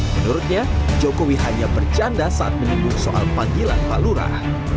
menurutnya jokowi hanya bercanda saat menyinggung soal panggilan pak lurah